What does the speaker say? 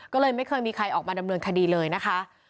ก็เลยไม่เคยมีใครออกมาดำเนินคดีเลยนะคะ